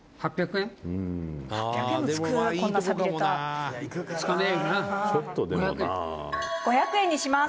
綾菜：「５００円にします」